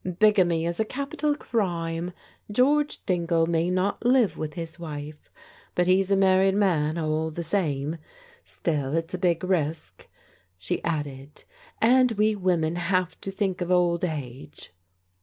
Bigamy is a capital crime. George Dingle may not live with his wife, but he's a married man all the same. Still it's a big risk, 5he added, " and we women have to think of old age.